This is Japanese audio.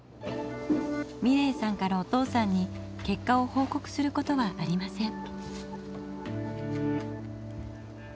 美礼さんからお父さんに結果を報告することはありません。